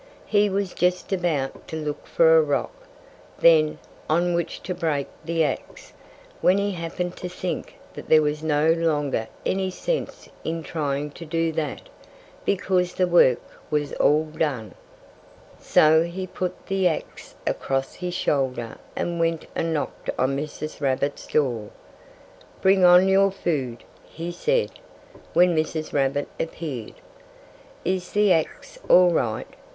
He was just about to look for a rock, then on which to break the axe when he happened to think that there was no longer any sense in trying to do that, because the work was all done! [Illustration: PETER SPLIT THE STICK PERFECTLY!] So he put the axe across his shoulder and went and knocked on Mrs. Rabbit's door. "Bring on your food!" he said, when Mrs. Rabbit appeared. "Is the axe all right?"